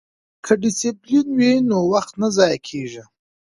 که ډسپلین وي نو وخت نه ضایع کیږي.